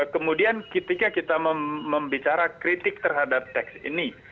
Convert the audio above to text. kemudian ketika kita membicara kritik terhadap teks ini